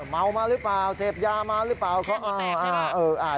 เมามาหรือเปล่าเสพยามาหรือเปล่า